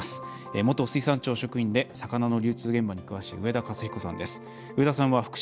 元水産庁職員で魚の流通現場に詳しい上田勝彦さんです。